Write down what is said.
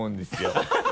ハハハ